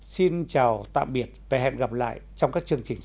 xin chào tạm biệt và hẹn gặp lại trong các chương trình sau